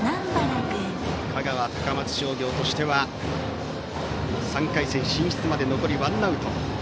香川・高松商業としては３回戦進出まで残りワンアウト。